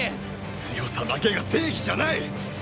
強さだけが正義じゃない！